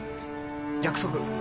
約束？